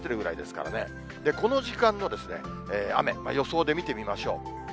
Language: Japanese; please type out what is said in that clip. この時間で、予想で見てみましょう。